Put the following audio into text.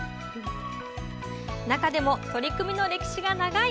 中でも取り組みの歴史が長い